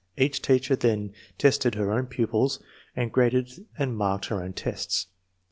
Each teacher then tested her own pupils, and graded and marked her own tests.